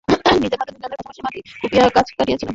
নিজের হাতে দুজনে পাশাপাশি মাটি কুপিয়েছি, গাছ কেটেছি।